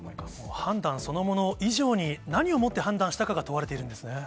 判断そのもの以上に、何をもって判断したかが問われているんですね。